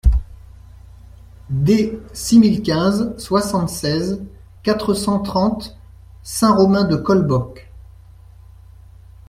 D six mille quinze, soixante-seize, quatre cent trente Saint-Romain-de-Colbosc